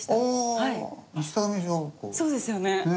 そうですよね。